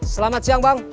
selamat siang bang